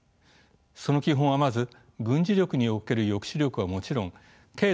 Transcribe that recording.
その基本はまず軍事力における抑止力はもちろん経済